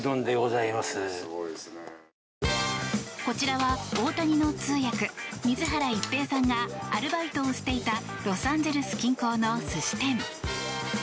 こちらは大谷の通訳水原一平さんがアルバイトをしていたロサンゼルス近郊の寿司店。